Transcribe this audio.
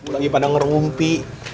lagi pada ngerumpi